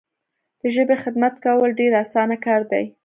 د ژبي خدمت کول ډیر اسانه کار دی.